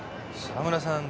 澤村さん